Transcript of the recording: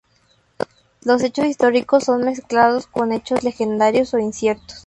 Los hechos históricos son mezclados con hechos legendarios o inciertos.